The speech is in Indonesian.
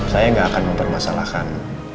saya gak akan mempermasalahkan